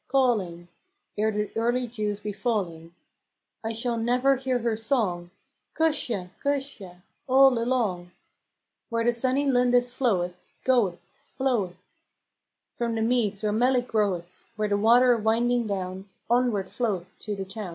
" calling, Ere the early dews be falling; I shall never hear her song, " Cusha, Cusha !" all along, Where the sunny Lindis floweth, Goeth, floweth; From the meads where melick groweth, Where the water winding down, Onward floweth to the town.